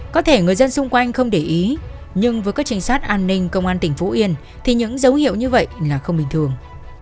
có thể người dân xung quanh không để ý nhưng với các trinh sát an ninh công an tỉnh phú yên thì những dấu hiệu như vậy là không bình thường